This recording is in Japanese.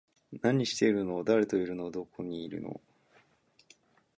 何してるの？誰といるの？どこにいるの？